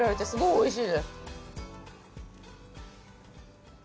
おいしい。